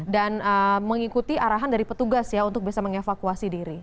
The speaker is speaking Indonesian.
dan mengikuti arahan dari petugas ya untuk bisa mengevakuasi diri